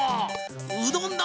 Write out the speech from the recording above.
うどんだ！